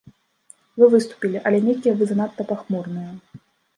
Вы выступілі, але нейкія вы занадта пахмурныя.